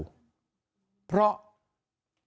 ไปพึ่งพาใครที่ไหนก็ไม่ได้ทั้งนั้น